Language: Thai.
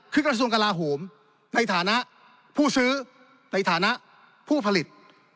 คือกระทรวงกลาโหมในฐานะผู้ซื้อในฐานะผู้ผลิต